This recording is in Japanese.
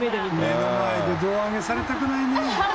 目の前で胴上げされたくないね。